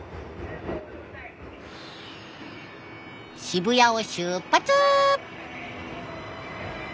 渋谷を出発！